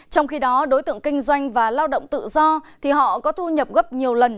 trong khi đó đối tượng kinh doanh và lao động tự do thì họ có thu nhập gấp nhiều lần